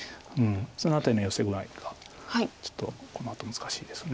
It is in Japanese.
その辺りのヨセ具合がちょっとこのあと難しいです。